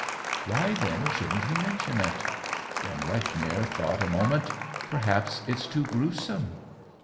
"Why, then, shouldn't he mention it ?" Young Lechmere thought a moment. " Per haps it's too grewsome